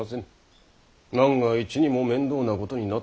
万が一にも面倒なことになってはいけませぬ。